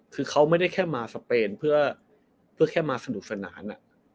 คือเขาไม่ได้แค่มาสเปนเพื่อแค่มาสนุกสนาน